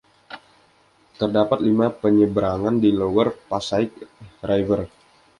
Terdapat lima penyeberangan di Lower Passaic River.